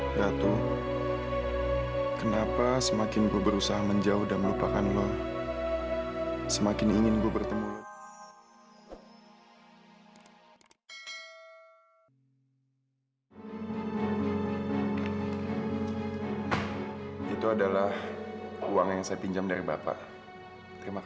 sampai jumpa di video selanjutnya